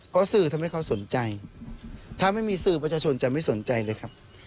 เพราะสื่อทำให้เขาสนใจถ้าไม่มีสื่อประชาชนจะไม่สนใจเลยครับ